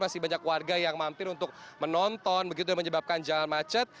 masih banyak warga yang mampir untuk menonton begitu menyebabkan jalan macet